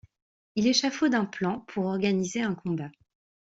Il échafaude un plan pour organiser un combat.